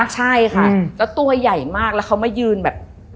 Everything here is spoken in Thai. ใช่ค่ะแล้วตัวใหญ่มากแล้วเขามายืนแบบ